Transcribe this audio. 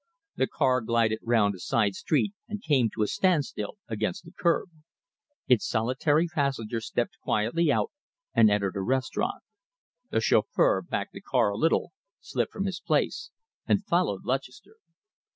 The car glided round a side street and came to a standstill against the curb. Its solitary passenger stepped quietly out and entered a restaurant. The chauffeur backed the car a little, slipped from his place, and followed Lutchester.